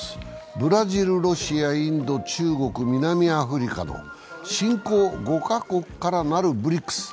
ブラジル、ロシア、インド、中国、南アフリカと新興５か国からなるＢＲＩＣＳ。